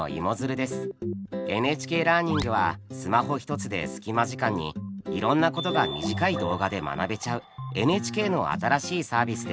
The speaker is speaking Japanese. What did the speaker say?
ＮＨＫラーニングはスマホ１つで隙間時間にいろんなことが短い動画で学べちゃうＮＨＫの新しいサービスです。